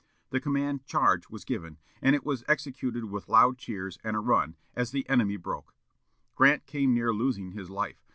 The command "Charge" was given, and it was executed with loud cheers and a run, and the enemy broke. Grant came near losing his life.